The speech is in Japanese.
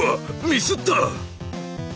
ミスった！